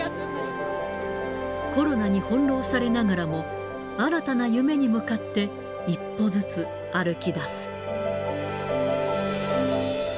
コロナに翻弄されながらも、新たな夢に向かって一歩ずつ歩きだす。